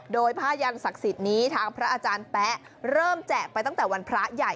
โดยผ้ายันศักดิ์สิทธิ์นี้ทางพระอาจารย์แป๊ะเริ่มแจกไปตั้งแต่วันพระใหญ่